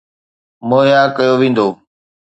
مهيا ڪيو ويندو.